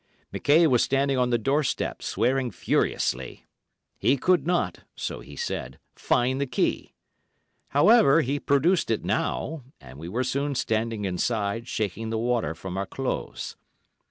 McKaye was standing on the doorstep, swearing furiously. He could not, so he said, find the key. However, he produced it now, and we were soon standing inside, shaking the water from our clothes.